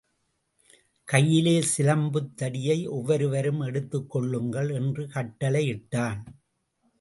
கையிலே சிலம்பத் தடியை ஒவ்வொரு வரும் எடுத்துக்கொள்ளுங்கள் என்று கட்டளையிட்டான்.